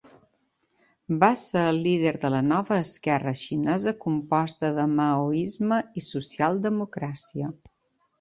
Va ser el líder de la Nova esquerra xinesa composta de maoisme i socialdemocràcia.